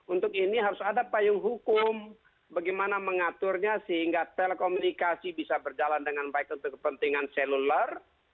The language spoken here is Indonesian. untuk ini harus ada payung hukum bagaimana mengaturnya sehingga telekomunikasi bisa berjalan dengan baik untuk kepentingan seluler